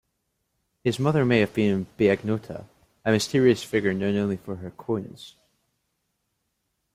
His mother may have been Biagota, a mysterious figure known only from her coins.